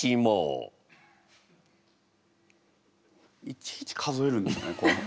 いちいち数えるんですねこう。